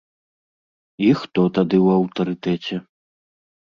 І хто тады ў аўтарытэце?